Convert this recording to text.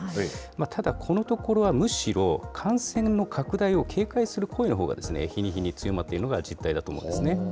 ただ、このところはむしろ、感染の拡大を警戒する声のほうが日に日に強まっているのが実態だと思うんですね。